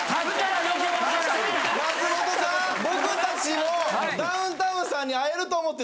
松本さん僕たちもダウンタウンさんに会えると思って。